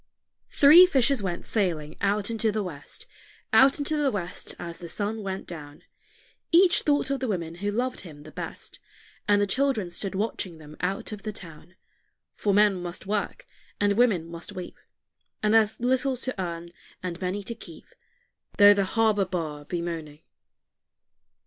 Three fishers went sailing out into the west, Out into the west as the sun went down; Each thought of the woman who loved him the best, And the children stood watching them out of the town; For men must work, and women must weep; And there's little to earn, and many to keep, Though the harbor bar be moaning.